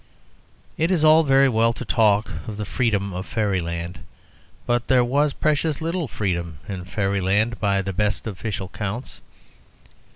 It is all very well to talk of the freedom of fairyland, but there was precious little freedom in fairyland by the best official accounts.